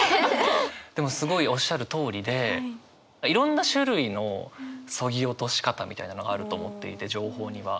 でもすごいおっしゃるとおりでいろんな種類の削ぎ落とし方みたいなのがあると思っていて情報には。